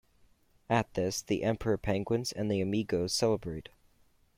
At this, the emperor penguins and the Amigos celebrate.